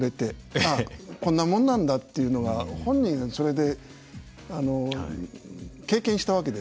ああこんなもんなんだっていうのが本人がそれで経験したわけでしょ。